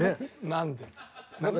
何で。